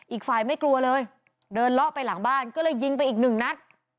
อีกฝ่ายไม่กลัวเลยเดินเลาะไปหลังบ้านก็เลยยิงไปอีกหนึ่งนัด